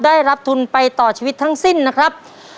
ได้รับทุนไปต่อชีวิตทั้งสิ้นนะครับ